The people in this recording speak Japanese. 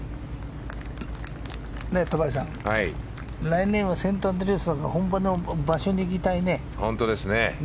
戸張さん、来年はセントアンドリュースだから本場での場所に行きたいね。